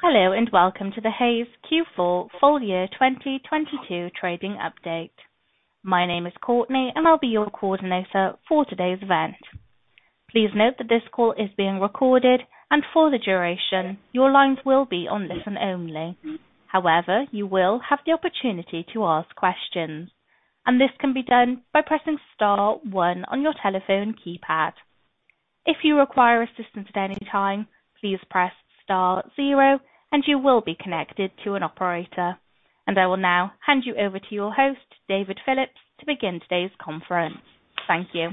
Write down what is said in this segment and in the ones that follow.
Hello, and welcome to the Hays Q4 Full Year 2022 Trading Update. My name is Courtney, and I'll be your coordinator for today's event. Please note that this call is being recorded, and for the duration, your lines will be on listen-only. However, you will have the opportunity to ask questions, and this can be done by pressing star one on your telephone keypad. If you require assistance at any time, please press star zero and you will be connected to an operator. I will now hand you over to your host, David Phillips, to begin today's conference. Thank you.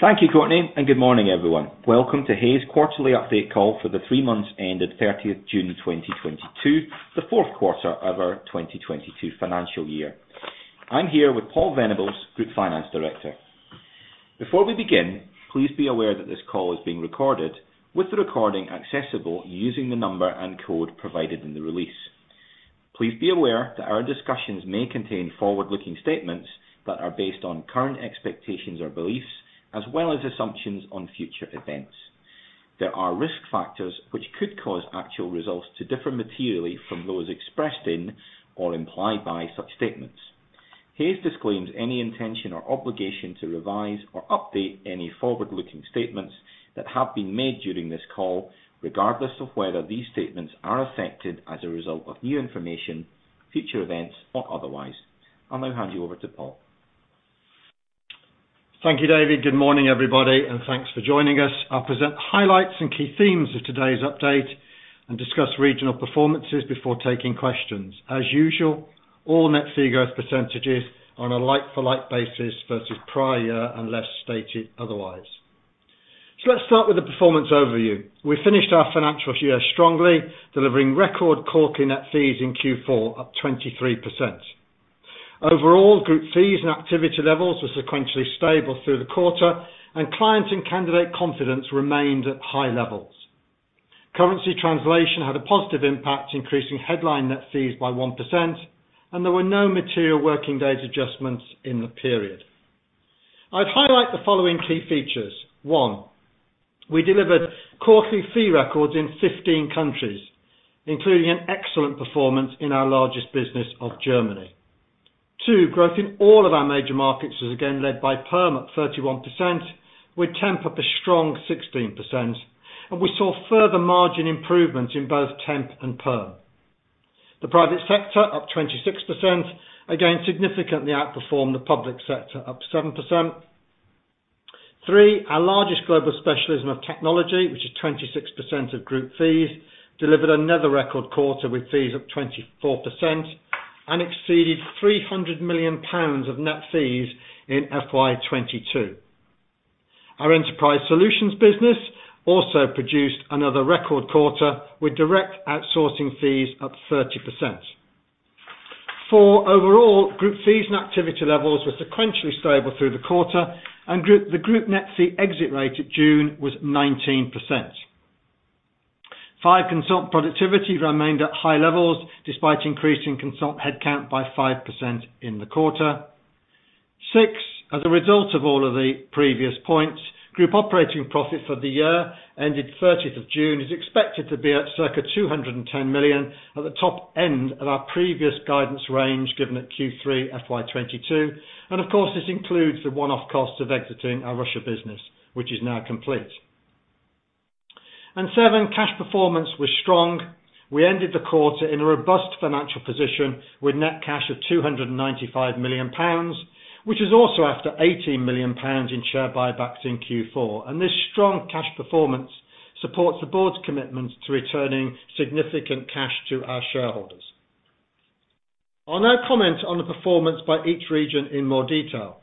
Thank you, Courtney, and good morning, everyone. Welcome to Hays quarterly update call for the three months ended 30th June 2022, the fourth quarter of our 2022 financial year. I'm here with Paul Venables, Group Finance Director. Before we begin, please be aware that this call is being recorded, with the recording accessible using the number and code provided in the release. Please be aware that our discussions may contain forward-looking statements that are based on current expectations or beliefs, as well as assumptions on future events. There are risk factors which could cause actual results to differ materially from those expressed in or implied by such statements. Hays disclaims any intention or obligation to revise or update any forward-looking statements that have been made during this call, regardless of whether these statements are affected as a result of new information, future events, or otherwise. I'll now hand you over to Paul. Thank you, David. Good morning, everybody, and thanks for joining us. I'll present the highlights and key themes of today's update and discuss regional performances before taking questions. As usual, all net figure percentages are on a like-for-like basis versus prior unless stated otherwise. Let's start with the performance overview. We finished our financial year strongly, delivering record quarterly net fees in Q4, up 23%. Overall, group fees and activity levels were sequentially stable through the quarter, and client and candidate confidence remained at high levels. Currency translation had a positive impact, increasing headline net fees by 1%, and there were no material working days adjustments in the period. I'd highlight the following key features. One, we delivered quarterly fee records in 15 countries, including an excellent performance in our largest business of Germany. Two, growth in all of our major markets was again led by Perm at 31%, with Temp a strong 16%, and we saw further margin improvements in both Temp and Perm. The private sector, up 26%, again significantly outperformed the public sector, up 7%. Three, our largest global specialism of Technology, which is 26% of group fees, delivered another record quarter with fees up 24% and exceeded 300 million pounds of net fees in FY 2022. Our Enterprise Solutions business also produced another record quarter with direct outsourcing fees up 30%. Four, overall, group fees and activity levels were sequentially stable through the quarter, and group net fee exit rate at June was 19%. Five, consultant productivity remained at high levels despite increasing consultant headcount by 5% in the quarter. Six, as a result of all of the previous points, group operating profit for the year ended 30th of June is expected to be at circa 210 million at the top end of our previous guidance range given at Q3 FY 2022. Of course, this includes the one-off cost of exiting our Russia business, which is now complete. Seven, cash performance was strong. We ended the quarter in a robust financial position with net cash of 295 million pounds, which is also after 80 million pounds in share buybacks in Q4. This strong cash performance supports the board's commitment to returning significant cash to our shareholders. I'll now comment on the performance by each region in more detail.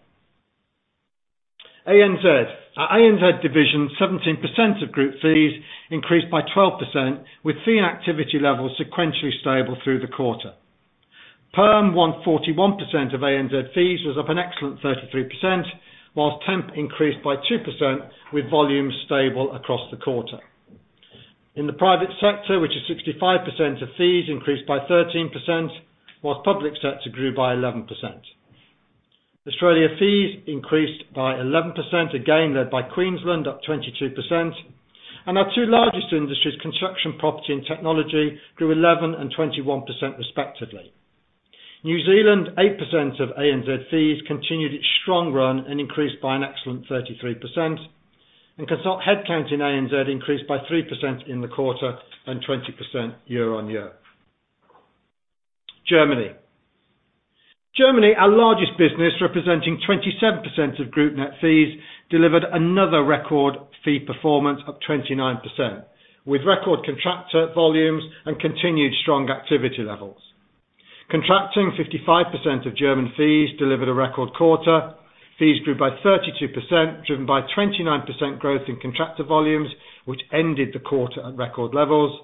ANZ. Our ANZ division, 17% of group fees, increased by 12%, with fee and activity levels sequentially stable through the quarter. Perm, 141% of ANZ fees, was up an excellent 33%, while Temp increased by 2%, with volumes stable across the quarter. In the private sector, which is 65% of fees, increased by 13%, while public sector grew by 11%. Australia fees increased by 11%, again led by Queensland, up 22%. Our two largest industries, Construction & Property, and Technology, grew 11% and 21% respectively. New Zealand, 8% of ANZ fees, continued its strong run and increased by an excellent 33%. Consultant headcount in ANZ increased by 3% in the quarter and 20% year-on-year. Germany, our largest business, representing 27% of group net fees, delivered another record fee performance up 29%, with record contractor volumes and continued strong activity levels. Contracting, 55% of German fees, delivered a record quarter. Fees grew by 32%, driven by 29% growth in contractor volumes, which ended the quarter at record levels.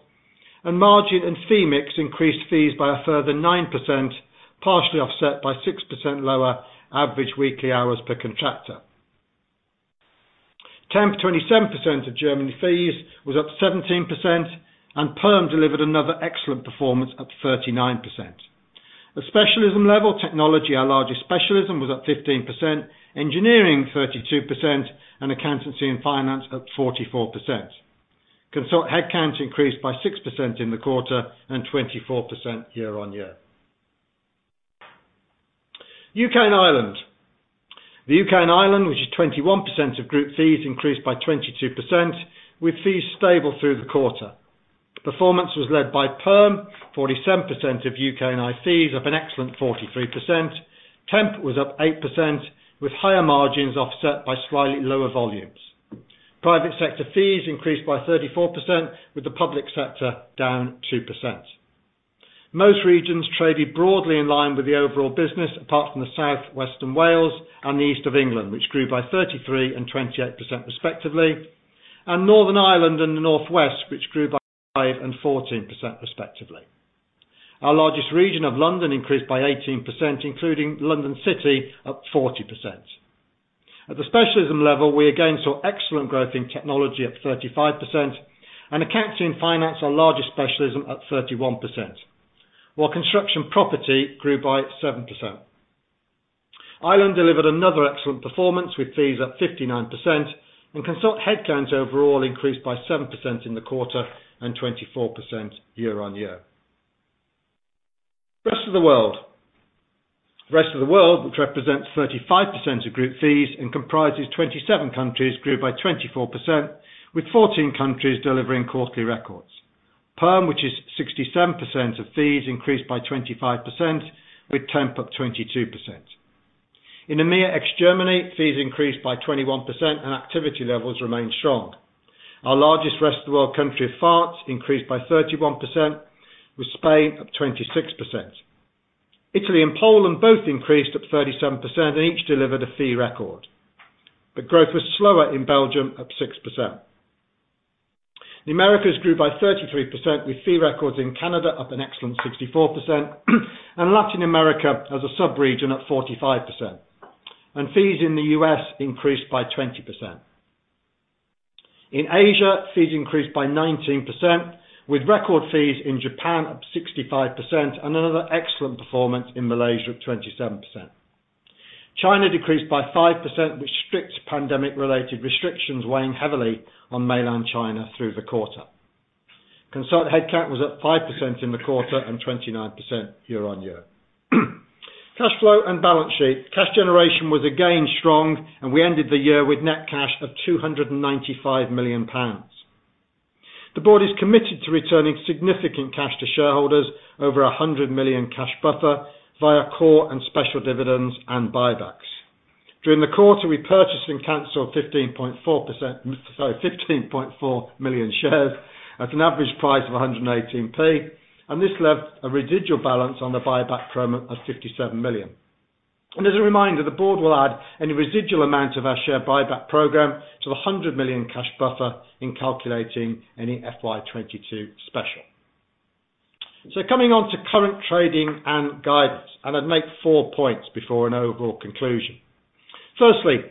Margin and fee mix increased fees by a further 9%, partially offset by 6% lower average weekly hours per contractor. Temp, 27% of Germany fees, was up 17%, and Perm delivered another excellent performance up 39%. At specialism level Technology, our largest specialism was up 15%, Engineering 32%, and Accountancy and Finance up 44%. Consultant headcount increased by 6% in the quarter and 24% year-on-year. U.K. And Ireland. The U.K. and Ireland, which is 21% of group fees, increased by 22%, with fees stable through the quarter. Performance was led by Perm, 47% of U.K. and Ireland fees, up an excellent 43%. Temp was up 8%, with higher margins offset by slightly lower volumes. Private sector fees increased by 34%, with the public sector down 2%. Most regions traded broadly in line with the overall business, apart from the South West and Wales and the East of England, which grew by 33% and 28% respectively, and Northern Ireland and the Northwest, which grew by 5% and 14% respectively. Our largest region of London increased by 18%, including London City up 40%. At the specialism level, we again saw excellent growth in Technology at 35% and Accountancy & Finance, our largest specialism, at 31%, while Construction & Property grew by 7%. Ireland delivered another excellent performance, with fees up 59% and consultant headcount overall increased by 7% in the quarter and 24% year-on-year. Rest of the world. The rest of the world, which represents 35% of group fees and comprises 27 countries, grew by 24%, with 14 countries delivering quarterly records. Perm, which is 67% of fees, increased by 25%, with Temp up 22%. In EMEA ex Germany, fees increased by 21% and activity levels remain strong. Our largest rest of the world country of France increased by 31%, with Spain up 26%. Italy and Poland both increased at 37% and each delivered a fee record. Growth was slower in Belgium, up 6%. The Americas grew by 33% with fee records in Canada up an excellent 64% and Latin America as a sub-region at 45%. Fees in the U.S. increased by 20%. In Asia, fees increased by 19%, with record fees in Japan up 65% and another excellent performance in Malaysia of 27%. China decreased by 5%, with strict pandemic-related restrictions weighing heavily on mainland China through the quarter. Consultant headcount was up 5% in the quarter and 29% year-on-year. Cash flow and balance sheet. Cash generation was again strong and we ended the year with net cash of 295 million pounds. The board is committed to returning significant cash to shareholders over 100 million cash buffer via core and special dividends and buybacks. During the quarter, we purchased and canceled 15.4 million shares at an average price of 118p, and this left a residual balance on the buyback program of 57 million. As a reminder, the board will add any residual amount of our share buyback program to the 100 million cash buffer in calculating any FY 2022 special. Coming on to current trading and guidance, and I'd make four points before an overall conclusion. Firstly,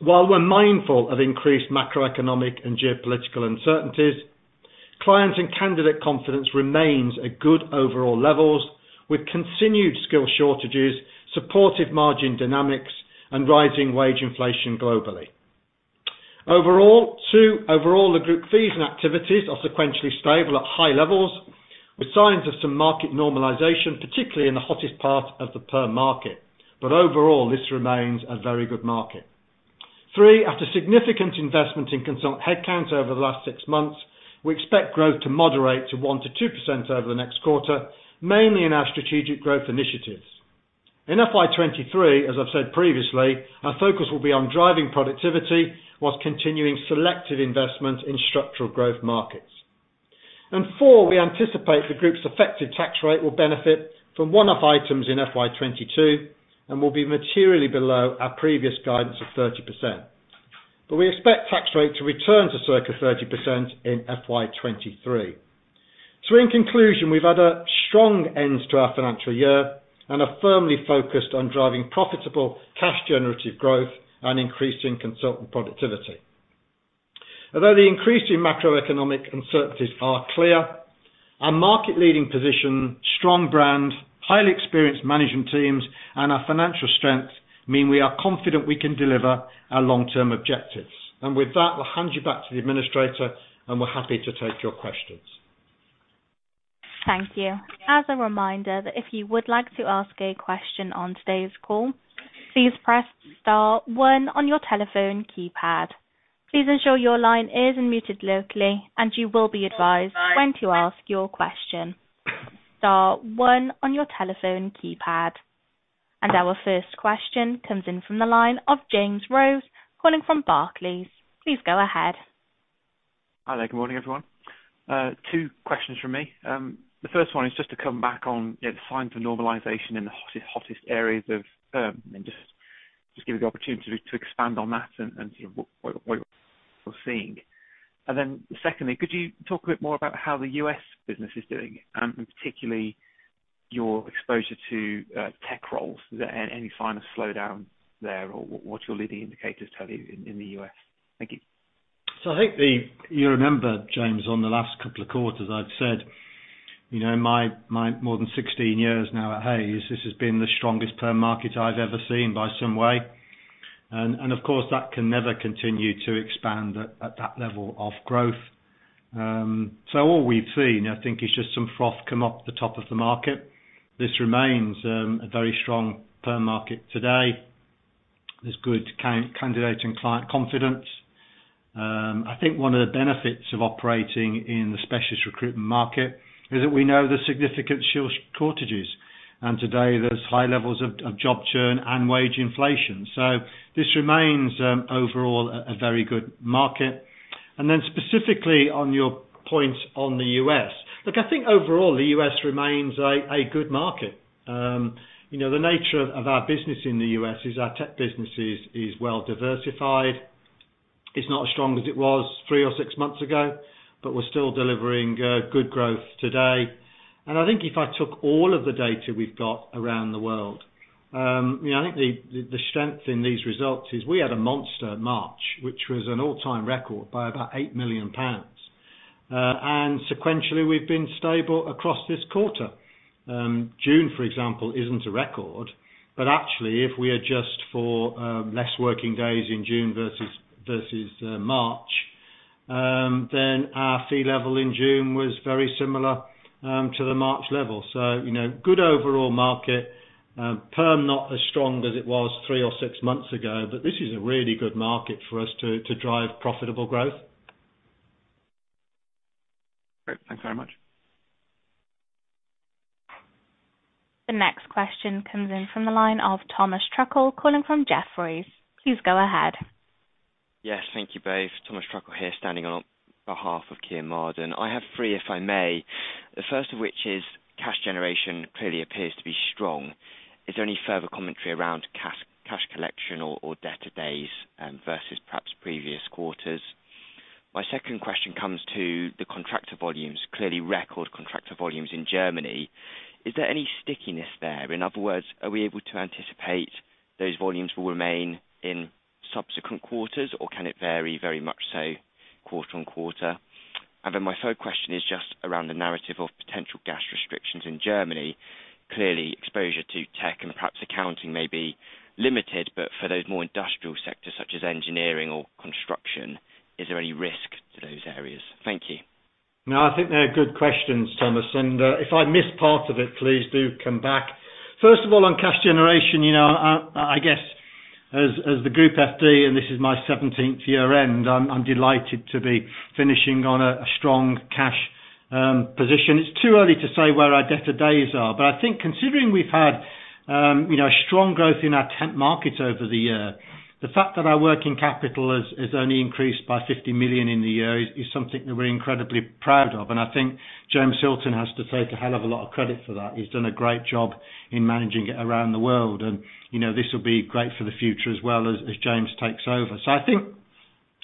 while we're mindful of increased macroeconomic and geopolitical uncertainties, client and candidate confidence remains at good overall levels, with continued skill shortages, supportive margin dynamics and rising wage inflation globally. Overall, two, the group fees and activities are sequentially stable at high levels with signs of some market normalization, particularly in the hottest part of the Perm market. Overall, this remains a very good market. Three, after significant investment in consultant headcount over the last six months, we expect growth to moderate to 1%-2% over the next quarter, mainly in our strategic growth initiatives. In FY 2023, as I've said previously, our focus will be on driving productivity while continuing selective investment in structural growth markets. Fourth, we anticipate the group's effective tax rate will benefit from one-off items in FY 2022 and will be materially below our previous guidance of 30%. We expect tax rate to return to circa 30% in FY 2023. In conclusion, we've had a strong end to our financial year and are firmly focused on driving profitable cash generative growth and increasing consultant productivity. Although the increasing macroeconomic uncertainties are clear, our market leading position, strong brand, highly experienced management teams and our financial strength mean we are confident we can deliver our long-term objectives. With that, we'll hand you back to the administrator and we're happy to take your questions. Thank you. As a reminder that if you would like to ask a question on today's call, please press star one on your telephone keypad. Please ensure your line is muted locally and you will be advised when to ask your question. Star one on your telephone keypad. Our first question comes in from the line of James Rose, calling from Barclays. Please go ahead. Hi there. Good morning, everyone. Two questions from me. The first one is just to come back on the signs of normalization in the hottest areas of, and just give you the opportunity to expand on that and what you're seeing. Then secondly, could you talk a bit more about how the U.S. business is doing, and particularly your exposure to tech roles? Is there any sign of slowdown there or what's your leading indicators tell you in the U.S.? Thank you. I think. You remember, James, on the last couple of quarters, I've said, you know, my more than 16 years now at Hays, this has been the strongest perm market I've ever seen by some way. Of course, that can never continue to expand at that level of growth. All we've seen, I think, is just some froth come off the top of the market. This remains a very strong perm market today. There's good candidate and client confidence. I think one of the benefits of operating in the specialist recruitment market is that we know the significant shortages. Today, there's high levels of job churn and wage inflation. This remains overall a very good market. Then specifically on your point on the U.S. Look, I think overall, the U.S. remains a good market. You know, the nature of our business in the U.S. is our tech business is well diversified. It's not as strong as it was three or six months ago, but we're still delivering good growth today. I think if I took all of the data we've got around the world, you know, I think the strength in these results is we had a monster March, which was an all-time record by about 8 million pounds. Sequentially, we've been stable across this quarter. June, for example, isn't a record, but actually, if we adjust for less working days in June versus March, then our fee level in June was very similar to the March level. You know, good overall market. Perm, not as strong as it was three or six months ago, but this is a really good market for us to drive profitable growth. Great. Thanks very much. The next question comes in from the line of Thomas Schiager, calling from Jefferies. Please go ahead. Yes, thank you, both. Thomas Schiager here standing on behalf of Kean Marden. I have three, if I may. The first of which is cash generation clearly appears to be strong. Is there any further commentary around cash collection or debtor days versus perhaps previous quarters? My second question comes to the contractor volumes. Clearly record contractor volumes in Germany. Is there any stickiness there? In other words, are we able to anticipate those volumes will remain in subsequent quarters, or can it vary very much so quarter-over-quarter? My third question is just around the narrative of potential gas restrictions in Germany. Clearly, exposure to tech and perhaps accounting may be limited, but for those more industrial sectors such as engineering or construction, is there any risk to those areas? Thank you. No, I think they're good questions, Thomas, and if I miss part of it, please do come back. First of all, on cash generation, you know, I guess as the group FD, and this is my 17th year end, I'm delighted to be finishing on a strong cash position. It's too early to say where our debtor days are, but I think considering we've had, you know, strong growth in our temp markets over the year, the fact that our working capital has only increased by 50 million in the year is something that we're incredibly proud of. I think James Hilton has to take a hell of a lot of credit for that. He's done a great job in managing it around the world. You know, this will be great for the future as well as James takes over. I think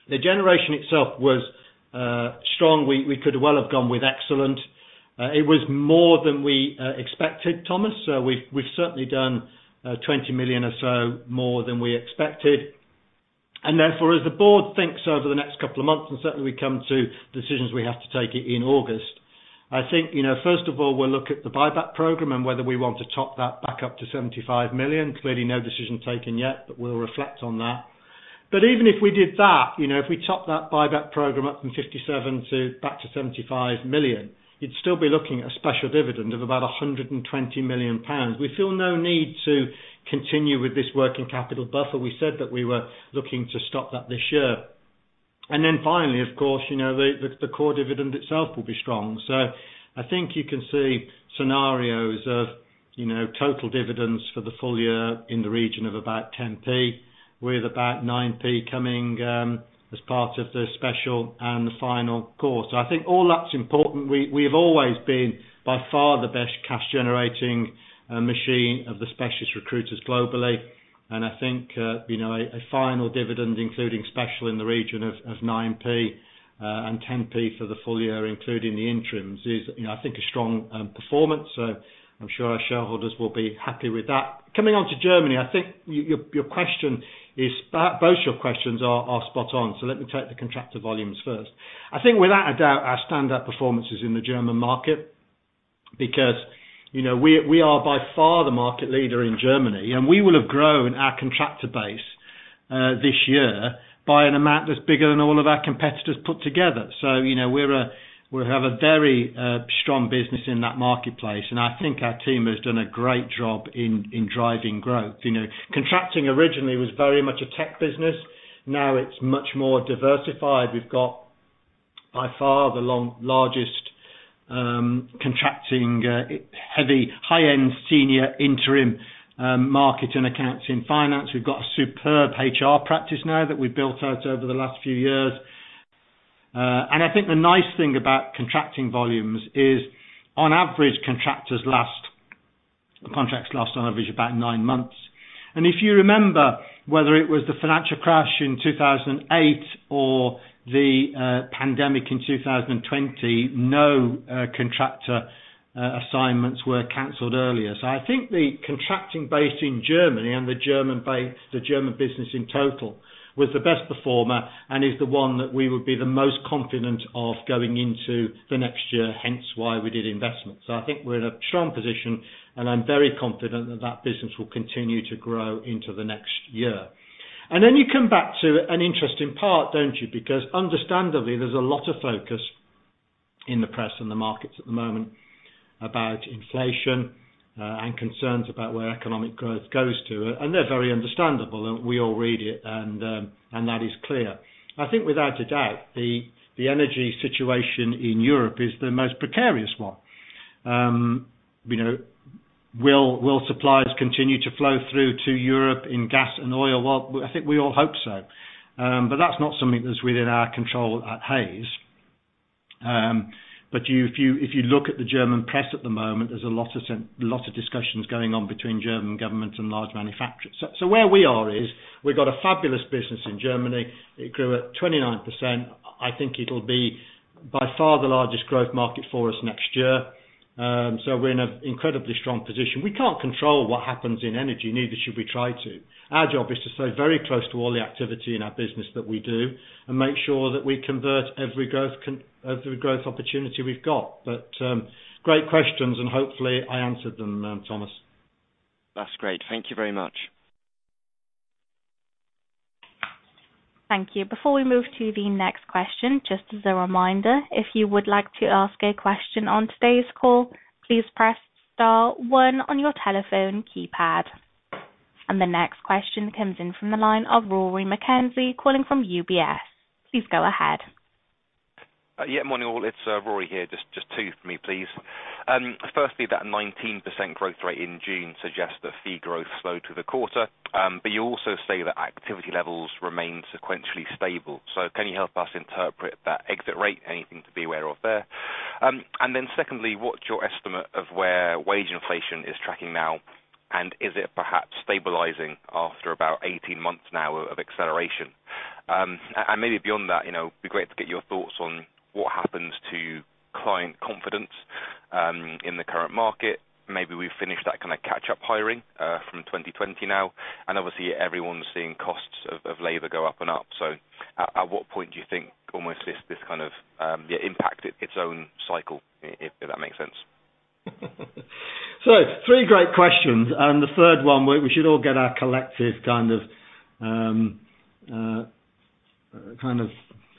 the generation itself was strong. We could well have gone with excellent. It was more than we expected, Thomas. We've certainly done 20 million or so more than we expected. Therefore, as the board thinks over the next couple of months, and certainly we come to decisions we have to take in August, I think, you know, first of all, we'll look at the buyback program and whether we want to top that back up to 75 million. Clearly, no decision taken yet, but we'll reflect on that. Even if we did that, you know, if we top that buyback program up from 57 to back to 75 million, you'd still be looking at a special dividend of about 120 million pounds. We feel no need to continue with this working capital buffer. We said that we were looking to stop that this year. Then finally, of course, you know, the core dividend itself will be strong. I think you can see scenarios of, you know, total dividends for the full year in the region of about 0.10, with about 0.09 coming as part of the special and the final call. I think all that's important. We've always been, by far, the best cash-generating machine of the specialist recruiters globally. I think, you know, a final dividend including special in the region of 0.09 and 0.10 for the full year, including the interims, is, you know, I think a strong performance. I'm sure our shareholders will be happy with that. Coming on to Germany, both your questions are spot on. Let me take the contractor volumes first. I think without a doubt, our standout performance is in the German market because, you know, we are by far the market leader in Germany, and we will have grown our contractor base this year by an amount that's bigger than all of our competitors put together. You know, we're a... We have a very strong business in that marketplace, and I think our team has done a great job in driving growth. You know, contracting originally was very much a tech business. Now it's much more diversified. We've got by far the largest contracting, heavily high-end senior interim market and Accountancy & Finance. We've got a superb HR practice now that we built out over the last few years. I think the nice thing about contracting volumes is, on average, the contracts last on average about nine months. If you remember, whether it was the financial crash in 2008 or the pandemic in 2020, no contractor assignments were canceled earlier. I think the contracting base in Germany and the German base, the German business in total, was the best performer and is the one that we would be the most confident of going into the next year, hence why we did investments. I think we're in a strong position, and I'm very confident that that business will continue to grow into the next year. You come back to an interesting part, don't you? Because understandably, there's a lot of focus in the press and the markets at the moment about inflation, and concerns about where economic growth goes to. They're very understandable, and we all read it, and that is clear. I think without a doubt, the energy situation in Europe is the most precarious one. You know, will suppliers continue to flow through to Europe in gas and oil? Well, I think we all hope so, but that's not something that's within our control at Hays. If you look at the German press at the moment, there's a lot of discussions going on between German government and large manufacturers. Where we are is we've got a fabulous business in Germany. It grew at 29%. I think it'll be by far the largest growth market for us next year, so we're in an incredibly strong position. We can't control what happens in energy, neither should we try to. Our job is to stay very close to all the activity in our business that we do and make sure that we convert every growth opportunity we've got. Great questions, and hopefully, I answered them, Thomas. That's great. Thank you very much. Thank you. Before we move to the next question, just as a reminder, if you would like to ask a question on today's call, please press star one on your telephone keypad. The next question comes in from the line of Rory McKenzie, calling from UBS. Please go ahead. Morning, all. It's Rory here. Just two from me, please. Firstly, that 19% growth rate in June suggests that fee growth slowed through the quarter, but you also say that activity levels remain sequentially stable. Can you help us interpret that exit rate? Anything to be aware of there? Secondly, what's your estimate of where wage inflation is tracking now? Is it perhaps stabilizing after about 18 months now of acceleration? Maybe beyond that, you know, it'd be great to get your thoughts on what happens to client confidence in the current market. We've finished that kind of catch-up hiring from 2020 now. Obviously, everyone's seeing costs of labor go up and up. At what point do you think this kind of impact its own cycle? If that makes sense. Three great questions. The third one, we should all get our collective kind of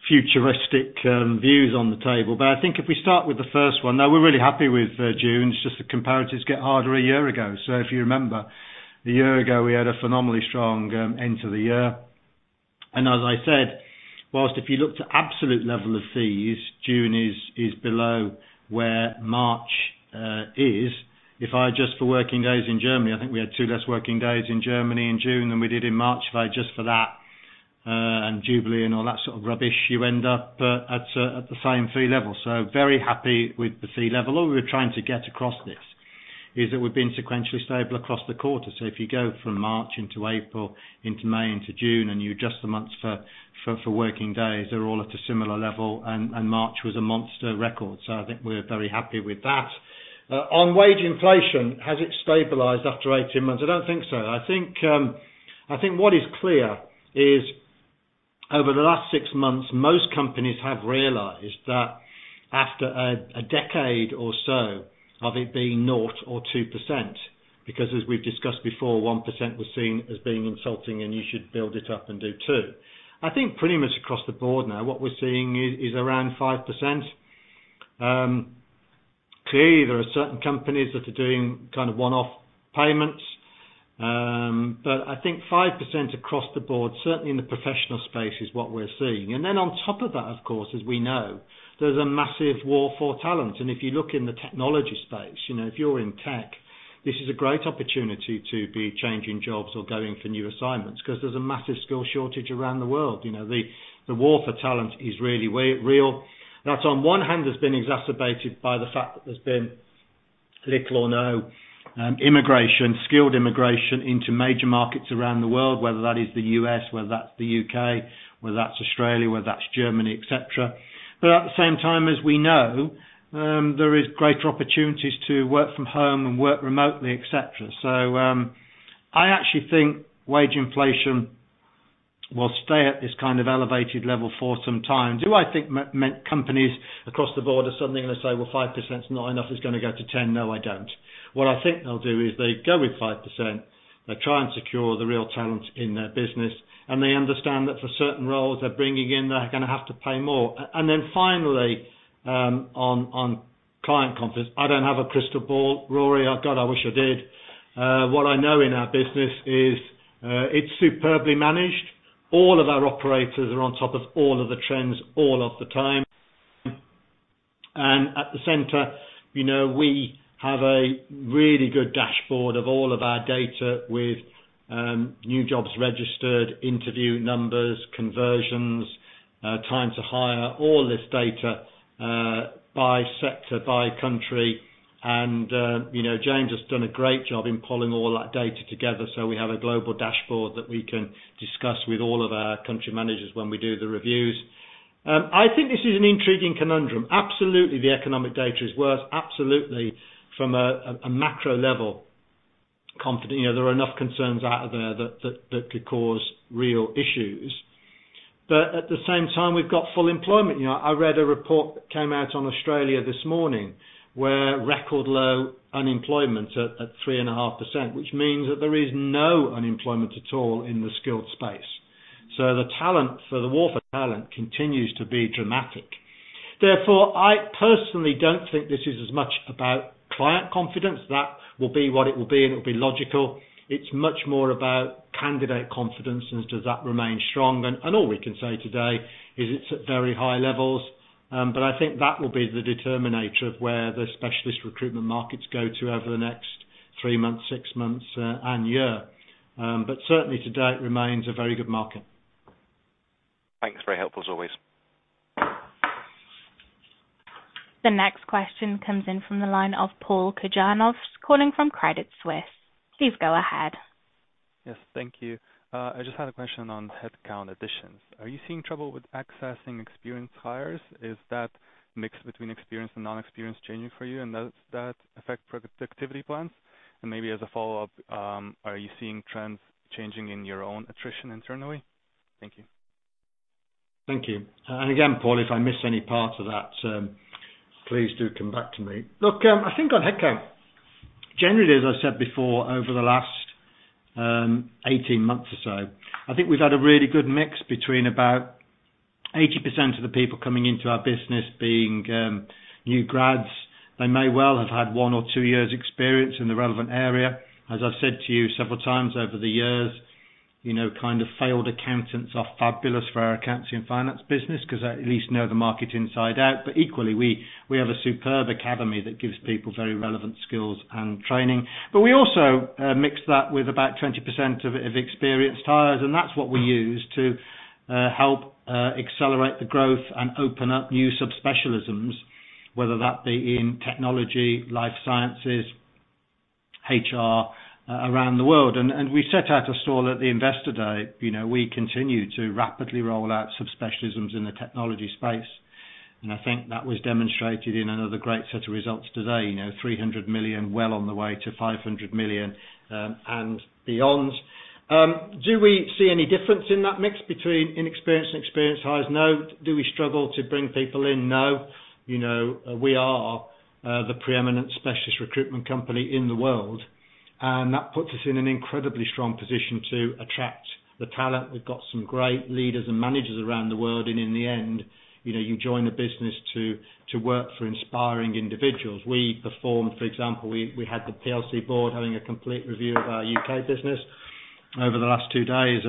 futuristic views on the table. I think if we start with the first one, no, we're really happy with June. It's just the comparatives get harder a year ago. If you remember, a year ago, we had a phenomenally strong end to the year. As I said, while if you look to absolute level of fees, June is below where March is. If I adjust for working days in Germany, I think we had two less working days in Germany in June than we did in March. If I adjust for that, and Jubilee and all that sort of rubbish, you end up at the same fee level. Very happy with the fee level. All we were trying to get across this is that we've been sequentially stable across the quarter. If you go from March into April, into May, into June, and you adjust the months for working days, they're all at a similar level and March was a monster record. I think we're very happy with that. On wage inflation, has it stabilized after 18 months? I don't think so. I think what is clear is over the last six months, most companies have realized that after a decade or so of it being no or 2%, because as we've discussed before, 1% was seen as being insulting, and you should build it up and do 2%. I think pretty much across the board now, what we're seeing is around 5%. Clearly there are certain companies that are doing kind of one-off payments. I think 5% across the board, certainly in the professional space, is what we're seeing. On top of that, of course, as we know, there's a massive war for talent. If you look in the technology space, you know, if you're in tech, this is a great opportunity to be changing jobs or going for new assignments because there's a massive skill shortage around the world. You know, the war for talent is really way real. That, on one hand, has been exacerbated by the fact that there's been little or no immigration, skilled immigration into major markets around the world, whether that is the U.S., whether that's the U.K., whether that's Australia, whether that's Germany, et cetera. At the same time, as we know, there is greater opportunities to work from home and work remotely, et cetera. I actually think wage inflation will stay at this kind of elevated level for some time. Do I think companies across the board are suddenly gonna say, "Well, 5%'s not enough, it's gonna go to 10%"? No, I don't. What I think they'll do is they go with 5%, they try and secure the real talent in their business, and they understand that for certain roles they're bringing in, they're gonna have to pay more. And then finally, on client confidence, I don't have a crystal ball, Rory. God, I wish I did. What I know in our business is, it's superbly managed. All of our operators are on top of all of the trends all of the time. At the center, you know, we have a really good dashboard of all of our data with new jobs registered, interview numbers, conversions, time to hire all this data by sector, by country. You know, James has done a great job in pulling all that data together. We have a global dashboard that we can discuss with all of our country managers when we do the reviews. I think this is an intriguing conundrum. Absolutely, the economic data is worse. Absolutely, from a macro level confidence. You know, there are enough concerns out there that could cause real issues. At the same time, we've got full employment. You know, I read a report that came out on Australia this morning where record low unemployment at 3.5%, which means that there is no unemployment at all in the skilled space. The war for talent continues to be dramatic. Therefore, I personally don't think this is as much about client confidence. That will be what it will be, and it'll be logical. It's much more about candidate confidence, and does that remain strong? All we can say today is it's at very high levels. But I think that will be the determinant of where the specialist recruitment markets go to over the next three months, six months, and year. But certainly to date, remains a very good market. Thanks. Very helpful as always. The next question comes in from the line of Paul Kirjanovs calling from Credit Suisse. Please go ahead. Yes, thank you. I just had a question on headcount additions. Are you seeing trouble with accessing experienced hires? Is that mix between experienced and non-experienced changing for you and does that affect productivity plans? Maybe as a follow-up, are you seeing trends changing in your own attrition internally? Thank you. Thank you. Again, Paul, if I miss any part of that, please do come back to me. Look, I think on headcount, generally, as I said before, over the last 18 months or so, I think we've had a really good mix between about 80% of the people coming into our business being new grads. They may well have had 1 or 2 years experience in the relevant area. As I said to you several times over the years, you know, kind of failed accountants are fabulous for our accounts and finance business because at least they know the market inside out. Equally, we have a superb academy that gives people very relevant skills and training. We also mix that with about 20% of experienced hires, and that's what we use to help accelerate the growth and open up new sub-specialisms, whether that be in Technology, Life Sciences, HR around the world. We set out a stall at the Investor Day. You know, we continue to rapidly roll out sub-specialisms in the technology space, and I think that was demonstrated in another great set of results today. You know, 300 million, well on the way to 500 million, and beyond. Do we see any difference in that mix between inexperienced and experienced hires? No. Do we struggle to bring people in? No. You know, we are the preeminent specialist recruitment company in the world, and that puts us in an incredibly strong position to attract the talent. We've got some great leaders and managers around the world, and in the end, you know, you join a business to work for inspiring individuals. For example, we had the PLC Board having a complete review of our U.K. business over the last two days,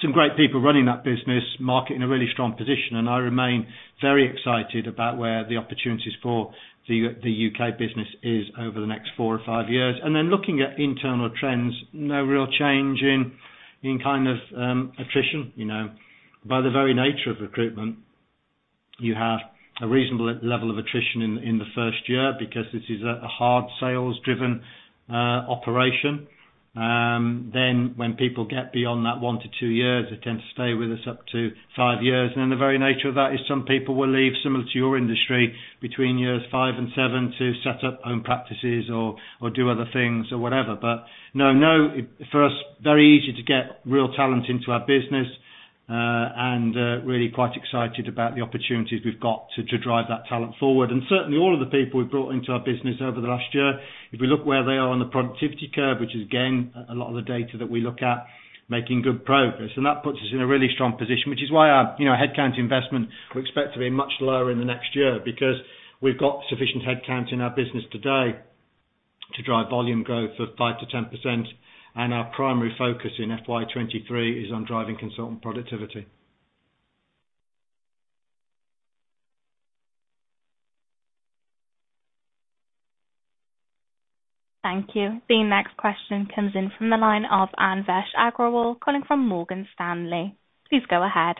some great people running that business, market in a really strong position, and I remain very excited about where the opportunities for the U.K. business is over the next four or five years. Then looking at internal trends, no real change in kind of attrition, you know. By the very nature of recruitment, you have a reasonable level of attrition in the first year because this is a hard sales-driven operation. Then when people get beyond that one to two years, they tend to stay with us up to five years. The very nature of that is some people will leave similar to your industry between years five and seven to set up own practices or do other things or whatever. No. For us, very easy to get real talent into our business, and really quite excited about the opportunities we've got to drive that talent forward. Certainly all of the people we've brought into our business over the last year, if we look where they are on the productivity curve, which is again, a lot of the data that we look at making good progress. That puts us in a really strong position, which is why our, you know, headcount investment, we expect to be much lower in the next year because we've got sufficient headcount in our business today to drive volume growth of 5%-10%. Our primary focus in FY 2023 is on driving consultant productivity. Thank you. The next question comes in from the line of Anvesh Agrawal calling from Morgan Stanley. Please go ahead.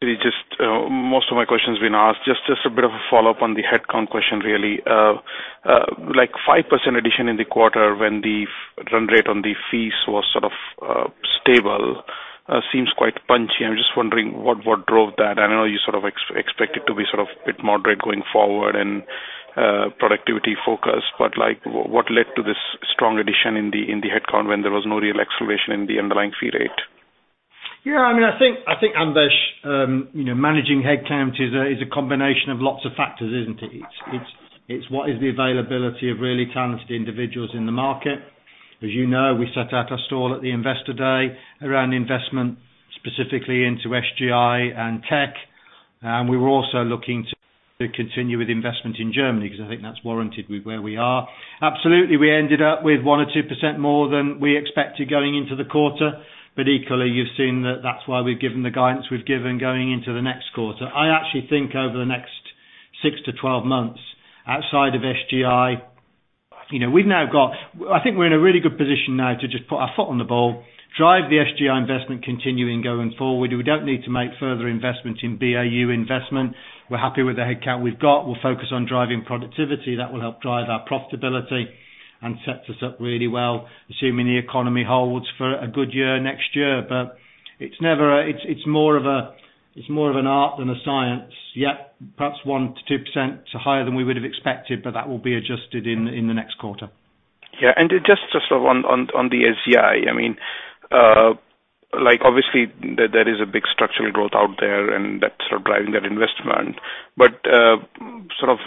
It is just most of my question's been asked. Just a bit of a follow-up on the headcount question, really. Like 5% addition in the quarter when the run rate on the fees was sort of stable, seems quite punchy. I'm just wondering what drove that. I know you sort of expect it to be sort of a bit moderate going forward and productivity focused, but like what led to this strong addition in the headcount when there was no real acceleration in the underlying fee rate? Yeah, I mean, I think Anvesh, you know, managing headcount is a combination of lots of factors, isn't it? It's what is the availability of really talented individuals in the market. As you know, we set out a stall at the Investor Day around investment, specifically into SGI and tech. We were also looking to continue with investment in Germany because I think that's warranted with where we are. Absolutely, we ended up with 1%-2% more than we expected going into the quarter. Equally, you've seen that that's why we've given the guidance we've given going into the next quarter. I actually think over the next six to twelve months, outside of SGI. You know, we've now got... I think we're in a really good position now to just put our foot on the ball, drive the SGI investment continuing going forward. We don't need to make further investments in BAU investment. We're happy with the headcount we've got. We'll focus on driving productivity. That will help drive our profitability and sets us up really well, assuming the economy holds for a good year next year. It's more of an art than a science. Yep, perhaps 1%-2% higher than we would have expected, but that will be adjusted in the next quarter. Yeah. Just on the SGI, I mean, like, obviously there is a big structural growth out there and that's sort of driving that investment. But, sort of,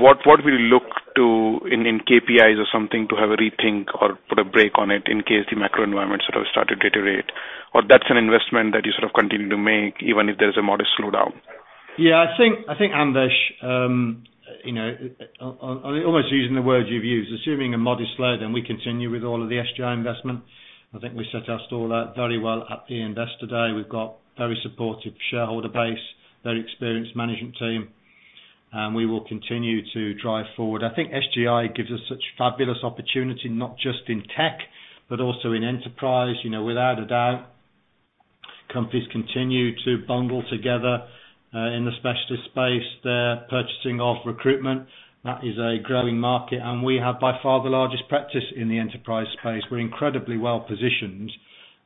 what we look to in KPIs or something to have a rethink or put a brake on it in case the macro environment sort of started to deteriorate? Or that's an investment that you sort of continue to make even if there's a modest slowdown. Yeah, I think, Anvesh, you know, on almost using the words you've used, assuming a modest slowdown, then we continue with all of the SGI investment. I think we set our stall out very well at the Investor Day. We've got very supportive shareholder base, very experienced management team, and we will continue to drive forward. I think SGI gives us such fabulous opportunity, not just in tech, but also in enterprise. You know, without a doubt, companies continue to bundle together in the specialist space. They're purchasing from recruitment. That is a growing market, and we have by far the largest practice in the enterprise space. We're incredibly well-positioned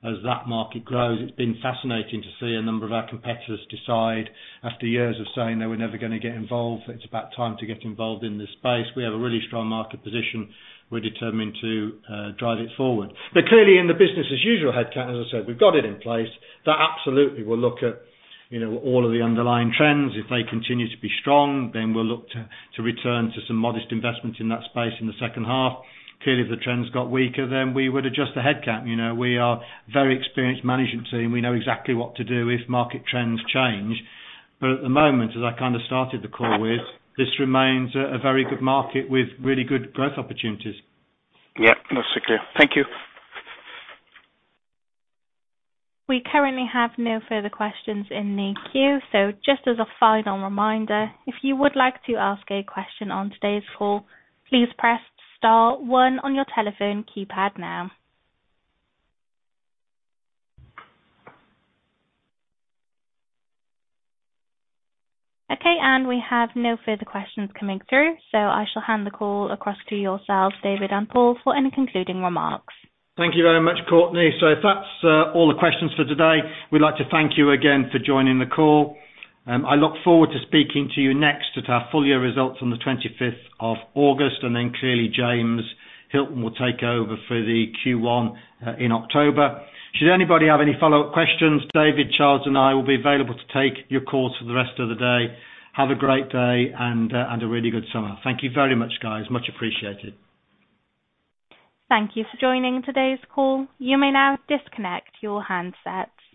as that market grows. It's been fascinating to see a number of our competitors decide after years of saying they were never gonna get involved, it's about time to get involved in this space. We have a really strong market position. We're determined to drive it forward. Clearly in the business as usual headcount, as I said, we've got it in place. That absolutely will look at, you know, all of the underlying trends. If they continue to be strong, then we'll look to return to some modest investment in that space in the second half. Clearly, if the trends got weaker, then we would adjust the headcount. You know, we are very experienced management team. We know exactly what to do if market trends change. At the moment, as I kind of started the call with, this remains a very good market with really good growth opportunities. Yeah. That's clear. Thank you. We currently have no further questions in the queue. Just as a final reminder, if you would like to ask a question on today's call, please press star one on your telephone keypad now. Okay. We have no further questions coming through, so I shall hand the call across to yourselves, David and Paul, for any concluding remarks. Thank you very much, Courtney. If that's all the questions for today, we'd like to thank you again for joining the call. I look forward to speaking to you next at our full year results on the 25th of August, and then clearly James Hilton will take over for the Q1 in October. Should anybody have any follow-up questions, David, Charles and I will be available to take your calls for the rest of the day. Have a great day and a really good summer. Thank you very much, guys. Much appreciated. Thank you for joining today's call. You may now disconnect your handsets.